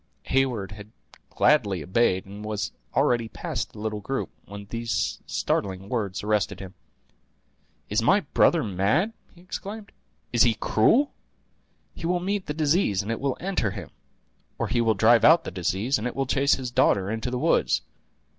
Heyward had gladly obeyed, and was already past the little group, when these startling words arrested him. "Is my brother mad?" he exclaimed; "is he cruel? He will meet the disease, and it will enter him; or he will drive out the disease, and it will chase his daughter into the woods.